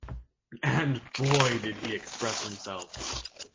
And, boy, did he express himself.